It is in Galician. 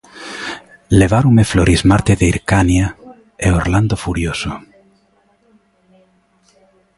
Leváronme Florismarte de Hircania e Orlando Furioso...